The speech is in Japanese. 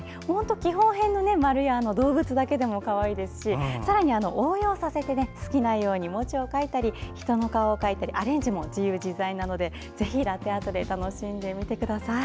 基本の丸や動物だけでもかわいいですしさらに応用して好きなように文字を描いたり人の顔を描いたりアレンジも自由自在なのでぜひ、ラテアートを楽しんでみてください。